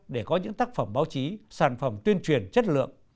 để có những tác phẩm báo chí sản phẩm tuyên truyền chất lượng